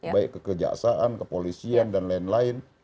baik kekejaksaan kepolisian dan lain lain